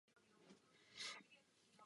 Díky tomu se ve městě vyzná.